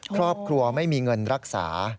ครอบครัวไม่มีเงินรักษา